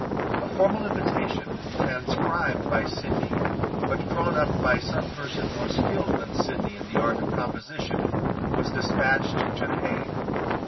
A formal invitation, transcribed by Sidney but drawn up by some person more skilled than Sidney, in the art of composition, was despatched to the Hague.